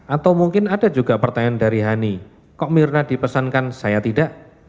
atau mungkin ada juga pertanyaan dari hani kok mirna dipesankan saya tidak